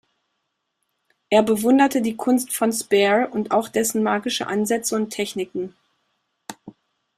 Er bewunderte die Kunst von Spare und auch dessen magischen Ansätze und Techniken.